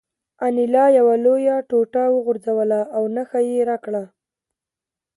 انیلا یوه لویه ټوټه وخوځوله او نښه یې راکړه